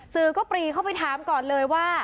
สื่อก็ปรีเข้าไปถามก่อนเลยว่า